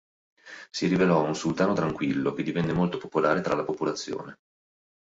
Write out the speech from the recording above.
Si rivelò un sultano tranquillo, che divenne molto popolare tra la popolazione.